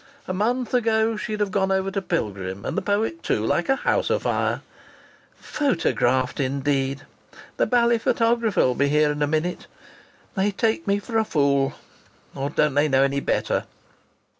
A month ago she'd have gone over to Pilgrim, and the poet too, like a house a fire!...Photographed indeed! The bally photographer will be here in a minute!... They take me for a fool!... Or don't they know any better?...